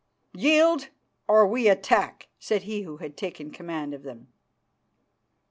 "Yield or we attack," said he who had taken command of them.